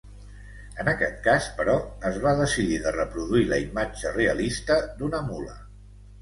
En aquest cas, però, es va decidir de reproduir la imatge realista d’una mula.